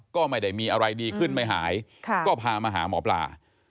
ก็ไม่ได้มีอะไรดีขึ้นไม่หายก็พามาหาหมอปลา